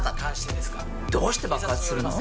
どうして爆発するの？